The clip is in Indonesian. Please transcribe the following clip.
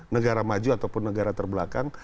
negara maju ataupun negara terbelakang